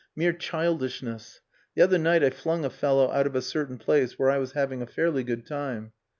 Mere childishness. The other night I flung a fellow out of a certain place where I was having a fairly good time.